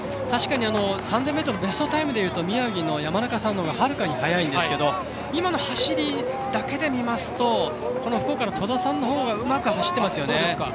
確かに３０００ｍベストタイムでいうと宮城の山中さんのほうがはるかに速いんですけど今の走りだけで見ると福岡の戸田さんのほうがうまく走っていますよね。